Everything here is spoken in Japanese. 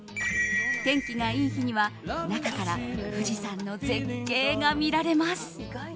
天気がいい日には中から富士山の絶景が見られます。